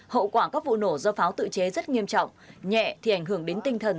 hậu quả các vụ nổ do pháo tự chế rất nghiêm trọng nhẹ thì ảnh hưởng đến tinh thần